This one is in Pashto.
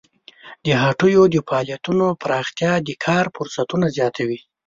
د هټیو د فعالیتونو پراختیا د کار فرصتونه زیاتوي.